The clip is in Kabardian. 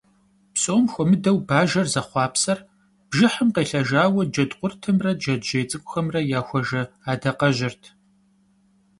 Псом хуэмыдэу бажэр зэхъуэпсар бжыхьым къелъэжауэ джэдкъуртымрэ джэджьей цӀыкӀухэмрэ яхуэжэ адакъэжьырт.